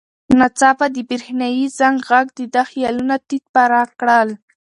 ناڅاپه د برېښنایي زنګ غږ د ده خیالونه تیت پرک کړل.